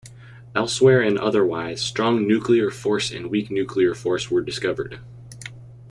Elsewhere and otherwise, strong nuclear force and weak nuclear force were discovered.